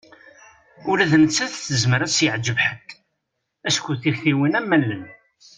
Ula d nettat tezmer ad s-yeɛǧeb ḥedd acku tiktiwin am wallen.